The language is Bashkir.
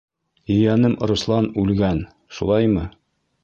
Ейәнем Руслан үлгән... шулаймы?